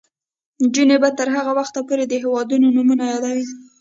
نجونې به تر هغه وخته پورې د هیوادونو نومونه یادوي.